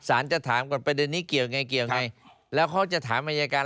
สารจะถามก่อนไปเดินนี้เกี่ยวไงแล้วเขาจะถามอัยการ